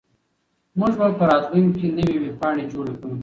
موږ به په راتلونکي کې نوې ویبپاڼې جوړې کړو.